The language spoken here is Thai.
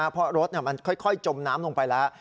เพราะรถมันค่อยจมน้ำลงไปแล้ว